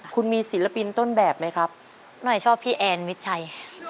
คุณมีศิลปินต้นแบบไหมครับหน่อยชอบพี่แอนมิดชัย